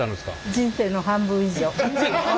人生の半分以上。